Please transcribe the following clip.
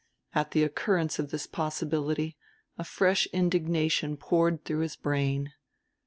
At the occurrence of this possibility a fresh indignation poured through his brain.